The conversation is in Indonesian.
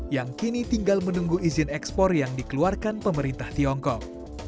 yang kini tinggal menunggu izin ekspor yang dikeluarkan pemerintah tiongkok